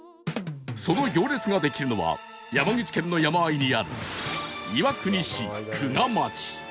その行列ができるのは山口県の山あいにある岩国市玖珂町